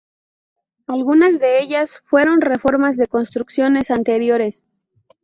Algunas de ellas fueron reformas de construcciones anteriores.